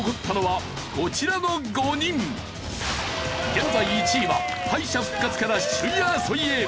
現在１位は敗者復活から首位争いへ！